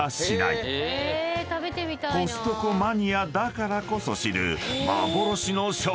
［コストコマニアだからこそ知る］